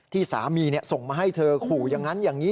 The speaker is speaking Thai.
ที่สามีส่งมาให้เธอขู่อย่างนั้นอย่างนี้